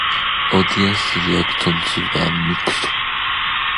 Audience reactions were mixed.